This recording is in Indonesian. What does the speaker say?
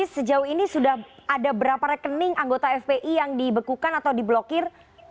sejauh ini sudah ada berapa rekening anggota fpi yang dibekukan atau diblokir